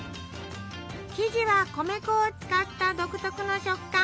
生地は米粉を使った独特の食感。